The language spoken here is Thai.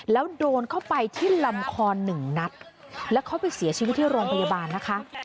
แล้วโดนเข้าไปที่ลำคอหนึ่งนัดแล้วเขาไปเสียชีวิตที่โรงพยาบาลนะคะ